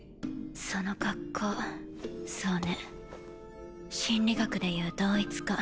その格好そうね心理学で言う同一化。